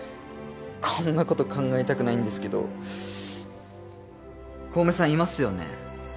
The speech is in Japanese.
こんなこと考えたくないんですけど小梅さんいますよね？